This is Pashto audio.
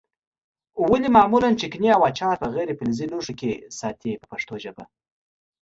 ولې معمولا چکني او اچار په غیر فلزي لوښو کې ساتي په پښتو ژبه.